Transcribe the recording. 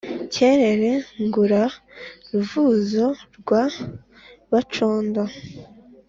Cyerere ngura Ruvuzo rwa Bacondo